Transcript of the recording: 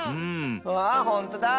わあほんとだ！